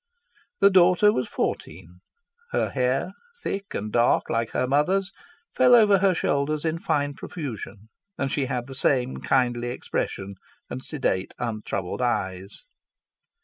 The daughter was fourteen. Her hair, thick and dark like her mother's, fell over her shoulders in fine profusion, and she had the same kindly expression and sedate, untroubled eyes.